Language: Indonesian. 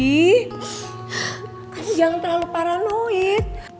kamu jangan terlalu paranoid